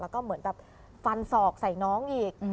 แล้วก็เหมือนแบบฟันศอกใส่น้องอีก